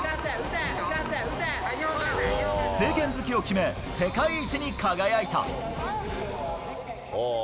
正拳突きを決め、世界一に輝いた。